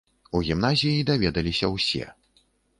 У гімназіі даведаліся ўсе.